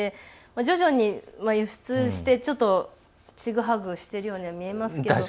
徐々に輸出して、ちょっとちぐはぐしているように見えますけど。